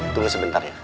tunggu sebentar ya